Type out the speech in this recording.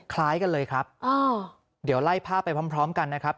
คล้ายกันเลยครับเดี๋ยวไล่ภาพไปพร้อมกันนะครับ